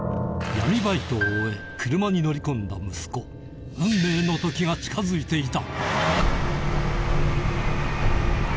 闇バイトを終え車に乗り込んだ息子近づいていた！